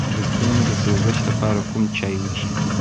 د ستوني د سوزش لپاره کوم چای وڅښم؟